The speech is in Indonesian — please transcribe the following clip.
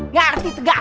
ngerti tegas tahu